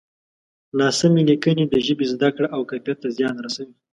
ناسمې لیکنې د ژبې زده کړه او کیفیت ته زیان رسوي.